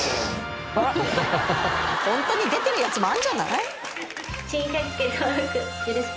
ホントに出てるやつもあるんじゃない？